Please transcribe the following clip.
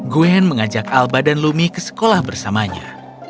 gwen mengajak alba dan lumi ke sekolah bersamanya